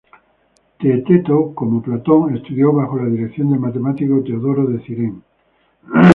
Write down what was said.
Teeteto, como Platón, estudió bajo la dirección del matemático Teodoro de Cirene.